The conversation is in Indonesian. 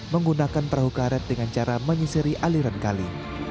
menggunakan perahu karet dengan cara menyisiri aliran kali